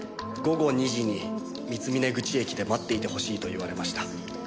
午後２時に三峰口駅で待っていてほしいと言われました。